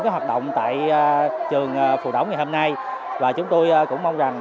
học động tại trường phù đổng ngày hôm nay và chúng tôi cũng mong rằng